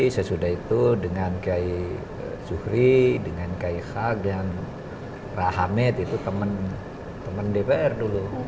sesudah itu dengan kiai zuhri dengan kiai haq dengan rahamid itu teman dpr dulu